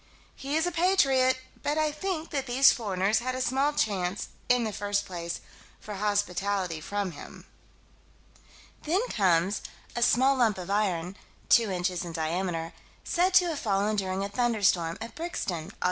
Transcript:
He is a patriot, but I think that these foreigners had a small chance "in the first place" for hospitality from him. Then comes a "small lump of iron (two inches in diameter)" said to have fallen, during a thunderstorm, at Brixton, Aug.